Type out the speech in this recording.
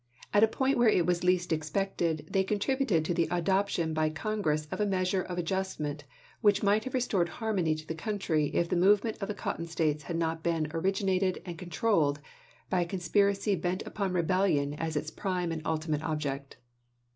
At a point where it was least expected, they contributed to the adoption by Con gress of a measure of adjustment which might have restored harmony to the country if the movement of the Cotton States had not been originated and controlled by a conspiracy bent upon rebellion as its prime and ultimate object.